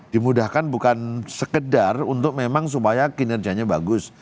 dimudahkan bukan sekedar untuk memang supaya kinerjanya bagus